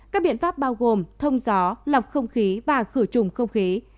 các biện pháp bao gồm thông gió lọc không khí và khử trùng không khí